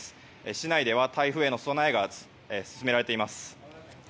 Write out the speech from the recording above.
市内では台風の備えが進められています。